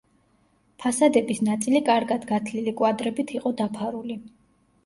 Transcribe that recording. ფასადების ნაწილი კარგად გათლილი კვადრებით იყო დაფარული.